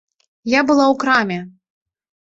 Я была ў краме.